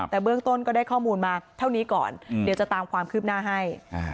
แต่เบื้องต้นก็ได้ข้อมูลมาเท่านี้ก่อนเดี๋ยวจะตามความคืบหน้าให้